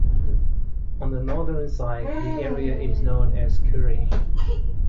On the northern side, the area is known as Curry.